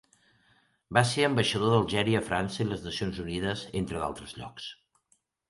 Va ser ambaixador d'Algèria a França i les Nacions Unides entre d'altres llocs.